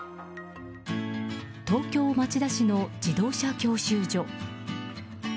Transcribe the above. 東京・町田市の自動車教習所。